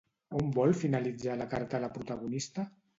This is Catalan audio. On vol finalitzar la carta la protagonista?